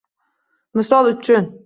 Misol uchun: